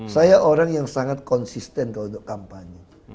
saya orang yang sangat konsisten kalau ada kampanye